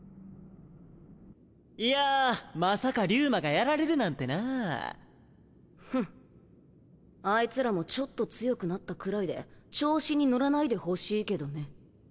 いやまさかリュウマがやられるなんてなぁフンアイツらもちょっと強くなったくらいで調子に乗らないでほしいけどね